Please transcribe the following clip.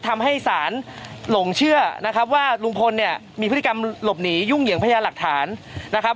ทำให้ศาลหลงเชื่อนะครับว่าลุงพลเนี่ยมีพฤติกรรมหลบหนียุ่งเหยิงพญาหลักฐานนะครับ